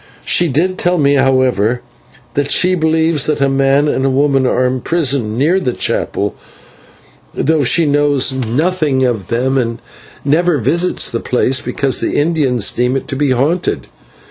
She did tell me, however, that she believes that a man and a woman are imprisoned near the chapel, though she knows nothing of them and never visits the place, because the Indians deem it to be haunted.